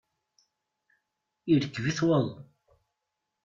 Irkeb-it waḍu.